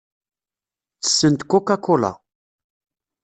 Ttessent Coca-Cola.